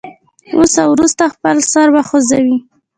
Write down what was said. اوس او وروسته خپل سر وخوځوئ.